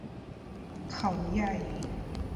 เขาใหญ่